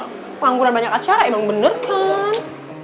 kalau pengangguran banyak acara emang bener kan